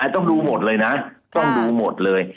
ต้องดูหมดเลยนะต้องดูหมดเลย